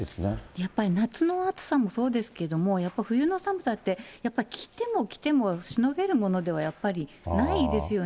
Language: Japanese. やっぱり、夏の暑さもそうですけど、やっぱり冬の寒さって、やっぱり着ても着てもしのげるものでは、やっぱりないですよね。